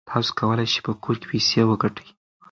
تاسو کولای شئ په کور کې پیسې وګټئ.